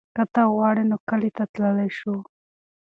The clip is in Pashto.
که ته وغواړې نو کلي ته تللی شو.